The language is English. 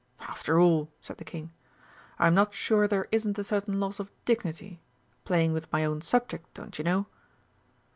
"After all," said the King, "I'm not sure there isn't a certain loss of dignity playing with my own subject, don't you know."